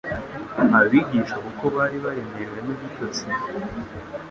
Abigishwa, kuko bari baremerewe n'ibitotsi,